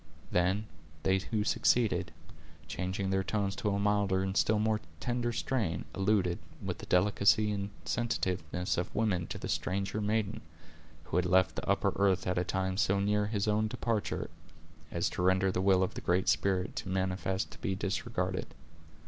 Then, they who succeeded, changing their tones to a milder and still more tender strain, alluded, with the delicacy and sensitiveness of women, to the stranger maiden, who had left the upper earth at a time so near his own departure, as to render the will of the Great Spirit too manifest to be disregarded.